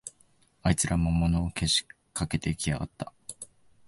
あいつら、魔物をけしかけてきやがった